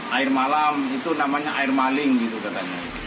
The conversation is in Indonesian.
air malam itu namanya air maling gitu katanya